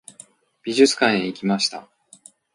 美術館へ行きました。